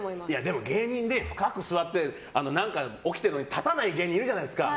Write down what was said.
でも芸人で深く座って何か起きてるのに立たない芸人いるじゃないですか。